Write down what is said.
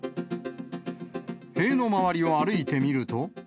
塀の周りを歩いてみると。